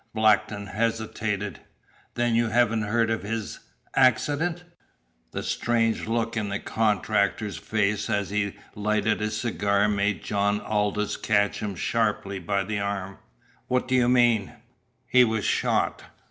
Blackton hesitated. "Then you haven't heard of his accident?" The strange look in the contractor's face as he lighted a cigar made John Aldous catch him sharply by the arm. "What do you mean?" "He was shot.